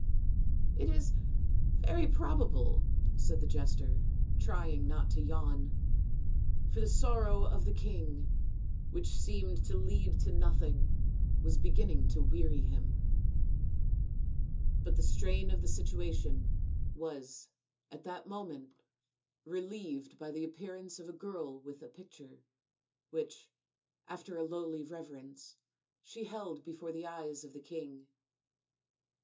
" It is very probable," said the jester, trying not to yawn, for the sorrow of the king, which seemed to lead to nothing, was beginning to weary him. But the strain of the situation was at that moment relieved 244 THE INDIAN STORY BOOK by the appearance of a girl with a picture, which, after a lowly reverence, she held before the eyes of the king.